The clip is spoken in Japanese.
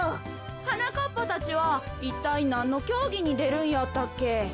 はなかっぱたちはいったいなんのきょうぎにでるんやったっけ？